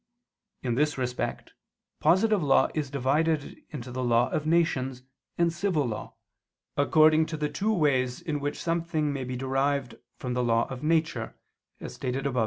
In this respect positive law is divided into the law of nations and civil law, according to the two ways in which something may be derived from the law of nature, as stated above (A.